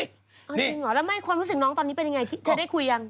เอาจริงเหรอแล้วไม่ความรู้สึกน้องตอนนี้เป็นยังไงเธอได้คุยยัง